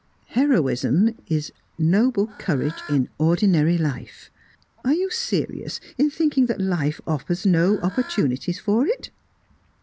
Heroism is noble courage in ordinary life. Are you serious in thinking that life offers no opportunities for it?"